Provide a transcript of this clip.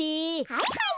はいはい。